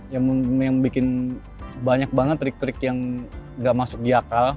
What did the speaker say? yang bikin banyak banget trik trik yang gak masuk di akal